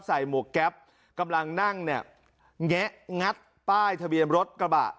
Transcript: หมวกแก๊ปกำลังนั่งเนี่ยแงะงัดป้ายทะเบียนรถกระบะ